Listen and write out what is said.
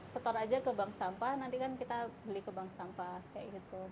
setor aja ke bank sampah nanti kan kita beli ke bank sampah kayak gitu